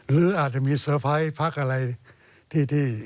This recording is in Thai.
หรืออาจจะมีเซอร์ไพรส์พักอะไรที่